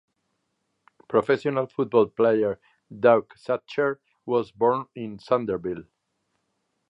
Professional football player Doug Satcher was born in Sandersville.